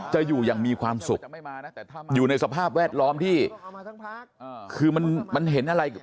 จะอยู่อย่างมีความสุขอยู่ในสภาพแวดล้อมที่คือมันเห็นอะไร